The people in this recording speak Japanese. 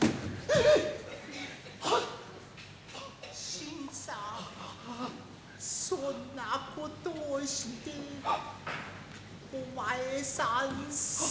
新さんそんなことをしてお前さん済みますか。